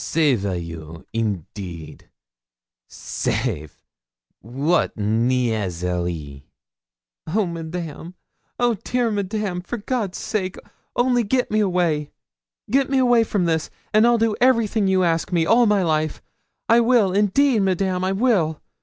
'Save a you, indeed! Save! What niaiserie!' 'Oh, Madame! Oh, dear Madame! for God's sake, only get me away get me from this, and I'll do everything you ask me all my life I will indeed, Madame, I will!